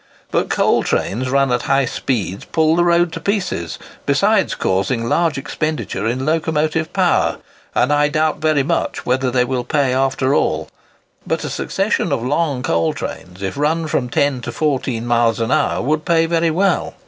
But coal trains run at high speeds pull the road to pieces, besides causing large expenditure in locomotive power; and I doubt very much whether they will pay after all; but a succession of long coal trains, if run at from ten to fourteen miles an hour, would pay very well.